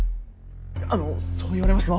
あのそう言われまし